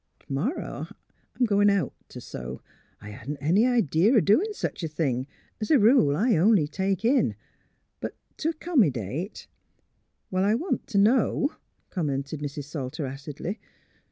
" T ' morrow I'm goin* out t' sew. I hadn't any idee o' doin' sech a thing. Es a rule, I only take in; but t' accommy date "'* Well, I want t' know," commented Mrs. Sal ter, acidly.